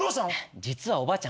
実はおばあちゃん